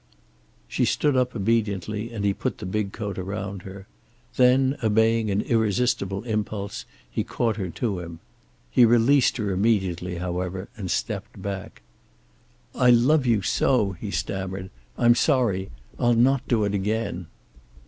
She stood up obediently and he put the big coat around her. Then, obeying an irresistible impulse, he caught her to him. He released her immediately, however, and stepped back. "I love you so," he stammered. "I'm sorry. I'll not do it again."